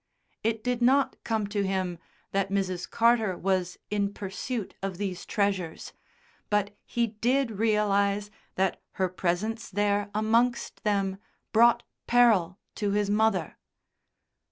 It did not come to him that Mrs. Carter was in pursuit of these treasures, but he did realise that her presence there amongst them brought peril to his mother.